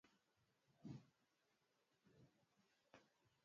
baada ya kukamatwa kwa tuhuma za kujaribu